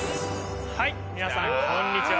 はい皆さんこんにちは。